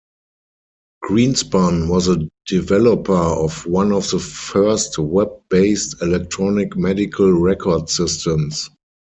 Greenspun was a developer of one of the first Web-based electronic medical record systems.